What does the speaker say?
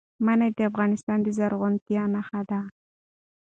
منی د افغانستان د زرغونتیا نښه ده.